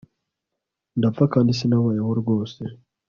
Ndapfa kandi sinabayeho rwose